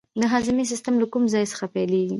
د هاضمې سیستم له کوم ځای څخه پیلیږي